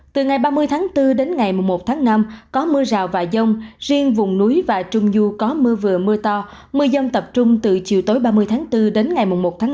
từ ngày ba mươi tháng bốn đến ngày một tháng năm có mưa rào và giông riêng vùng núi và trung du có mưa vừa mưa to mưa dông tập trung từ chiều tối ba mươi tháng bốn đến ngày một tháng năm